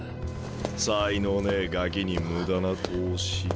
才能ねえガキに無駄な投資。